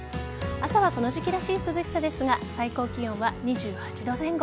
朝はこの時期らしい涼しさですが最高気温は２８度前後。